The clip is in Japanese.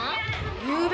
ゆうべ？